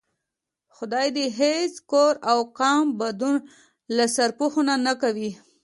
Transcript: خدا دې هېڅ کور او قوم بدون له سرپوښه نه کوي.